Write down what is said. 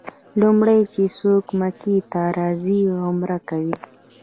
لومړی چې څوک مکې ته راځي عمره کوي.